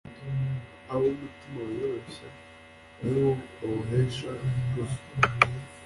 ab’umutima wiyoroshya ni bo bamuhesha ikuzo